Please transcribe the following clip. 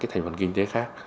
các thành phần kinh tế khác